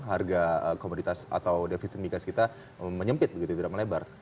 harga komoditas atau defisit migas kita menyempit begitu tidak melebar